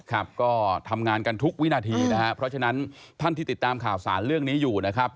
ครับก็ทำงานกันทุกวินาทีนะครับเพราะฉะนั้นท่านที่ติดตามข่าวสารเรื่องนี้อยู่นะครับ